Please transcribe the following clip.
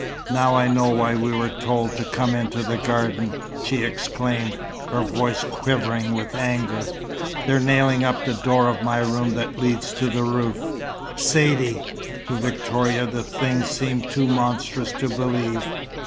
"Now I know why we were told to come into the garden!" she exclaimed, her voice quivering with anger. "They're nailing up the door of my room that leads to the roof!" "Saidee!" To Victoria the thing seemed too monstrous to believe.